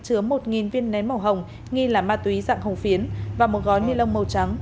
chứa một viên nén màu hồng nghi là ma túy dạng hồng phiến và một gói ni lông màu trắng